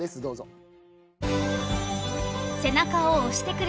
どうぞ。